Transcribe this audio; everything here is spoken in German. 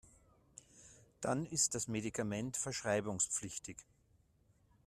Dann ist das Medikament verschreibungspflichtig.